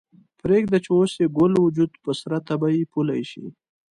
پریږده چې اوس یې ګل وجود په سره تبۍ پولۍ شي